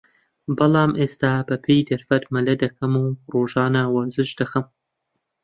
بەڵام ئێستا بە پێی دەرفەت مەلە دەکەم و رۆژانە وەرزش دەکەم